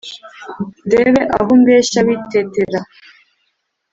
ndebe aho umbeshya witetera